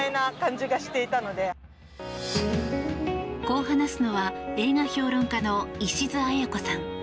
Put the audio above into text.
こう話すのは映画評論家の石津文子さん。